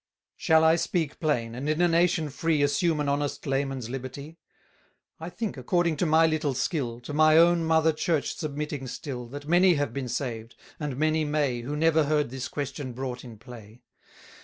Shall I speak plain, and in a nation free Assume an honest layman's liberty? I think, according to my little skill, To my own Mother Church submitting still, That many have been saved, and many may, 320 Who never heard this question brought in play.